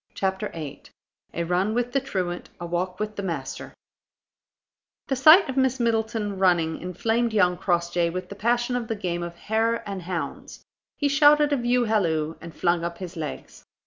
CHAPTER VIII A RUN WITH THE TRUANT; A WALK WITH THE MASTER The sight of Miss Middleton running inflamed young Crossjay with the passion of the game of hare and hounds. He shouted a view halloo, and flung up his legs.